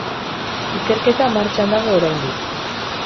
Ikerketa martxan dago oraindik.